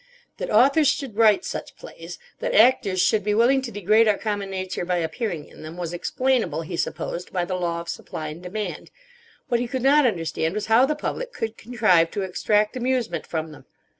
That authors should write such plays, that actors should be willing to degrade our common nature by appearing in them was explainable, he supposed, by the law of supply and demand. What he could not understand was how the public could contrive to extract amusement from them.